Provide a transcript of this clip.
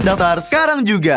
daftar sekarang juga